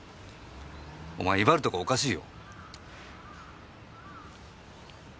お前威張るところおかしいよ。